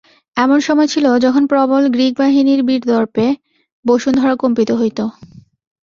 এমন সময় ছিল, যখন প্রবল গ্রীকবাহিনীর বীরদর্পে বসুন্ধরা কম্পিত হইত।